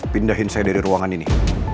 pindahin saya dari ruangan ini